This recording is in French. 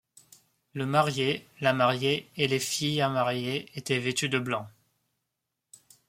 Le marié, la mariée et les filles à marier étaient vêtus de blanc.